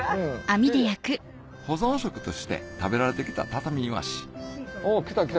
保存食として食べられてきた畳イワシおき